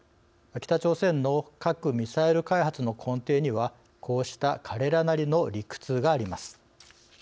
北朝鮮の核・ミサイル開発の根底にはこうした彼らなりの理屈があります。